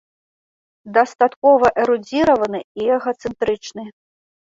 Дастаткова эрудзіраваны і эгацэнтрычны.